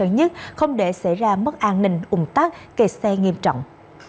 tân sơn nhất không để xảy ra mất an ninh ung tắc kề xe nghiêm trọng